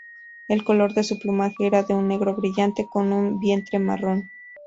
El color de su plumaje era de un negro brillante con un vientre marrón.